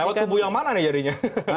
lewat tubuh yang mana nih jadinya